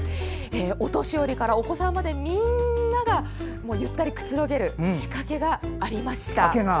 お年寄りからお子さんまでみんながゆったりくつろげる仕掛けがありました。